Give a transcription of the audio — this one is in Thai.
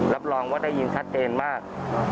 รับรองว่าได้ยินชัดเจนมาก